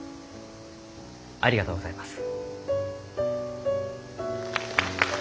ありがとうございます。